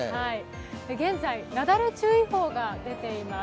現在なだれ注意報が出ています。